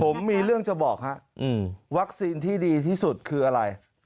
ผมมีเรื่องจะบอกฮะวัคซีนที่ดีที่สุดคืออะไร